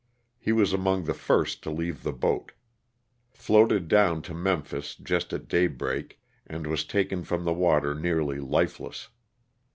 He was among the first to leave the boat. Floated down to Memphis, just at daybreak, and was taken from the water nearly lifeless.